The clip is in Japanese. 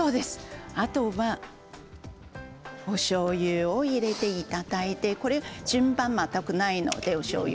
あとは、おしょうゆを入れていただいて順番は全くないです。